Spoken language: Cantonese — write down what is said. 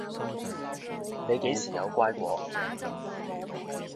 你幾時有乖過？